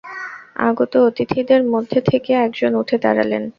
আগত অতিথিদের মধ্যে থেকে একজন উঠে দাঁড়ালেন।